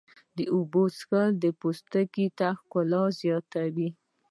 د اوبو څښل د پوستکي ښکلا زیاتوي.